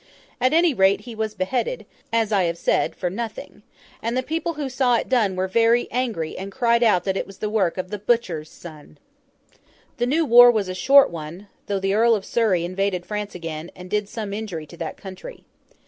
At any rate, he was beheaded, as I have said, for nothing. And the people who saw it done were very angry, and cried out that it was the work of 'the butcher's son!' The new war was a short one, though the Earl of Surrey invaded France again, and did some injury to that country.